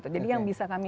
jadi yang bisa kami